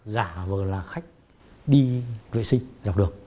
giả vờ là khách đi vệ sinh dọc đường